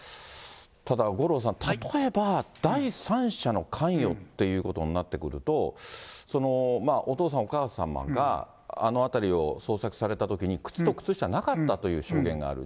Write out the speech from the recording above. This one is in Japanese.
ただ五郎さん、例えば第三者の関与ということになってくると、お父さん、お母様が、あの辺りを捜索されたときに、靴と靴下なかったという証言がある。